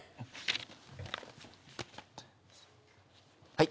はい。